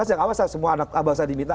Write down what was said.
yang awal semua abang saya diminta